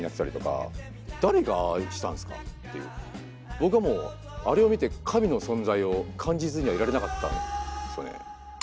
僕はもうあれを見て神の存在を感じずにはいられなかったんですよね。